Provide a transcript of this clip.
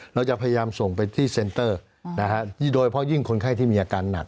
เราจะพยายามส่งไปที่เซ็นเตอร์โดยเฉพาะยิ่งคนไข้ที่มีอาการหนัก